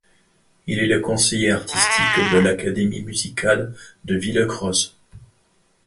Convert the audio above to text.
Il est le conseiller artistique de l’Académie musicale de Villecroze.